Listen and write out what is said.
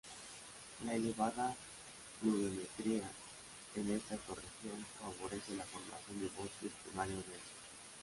La elevada pluviometría en esta ecorregión favorece la formación de bosques primarios densos.